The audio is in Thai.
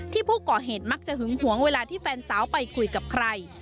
ที่ผู้ก่อเหตุมักจะหึงหวงเวลาที่แฟนสาวไปคุยกับใคร